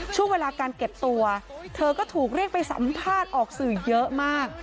ช่วงเวลาการเก็บตัวเธอก็ถูกเรียกไปสัมภาษณ์ออกสื่อเยอะมาก